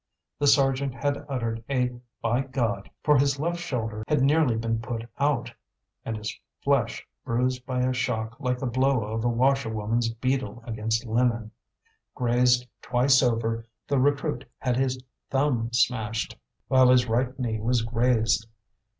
The sergeant had uttered a "By God!" for his left shoulder had nearly been put out, and his flesh bruised by a shock like the blow of a washerwoman's beetle against linen. Grazed twice over, the recruit had his thumb smashed, while his right knee was grazed.